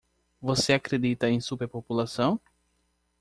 Você acredita em superpopulação?